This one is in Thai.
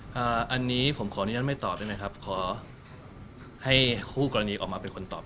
ก่อนต่อไปมีทางทางพี่จ๋าเองเขาก็มีโอกาสในต้นเงล